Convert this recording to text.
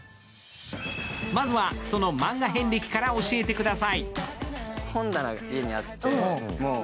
まずは、そのマンガ遍歴から教えてください。